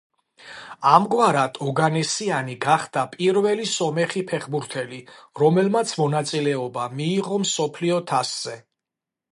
ამგვარად, ოგანესიანი გახდა პირველი სომეხი ფეხბურთელი, რომელმაც მონაწილეობა მიიღო მსოფლიო თასზე.